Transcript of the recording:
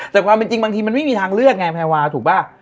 แต่ความเป็นจริงบางทีมันไม่มีทางเลือกไงแพรวาถูกป่ะ